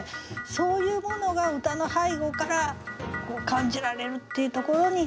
そういうものが歌の背後から感じられるっていうところに。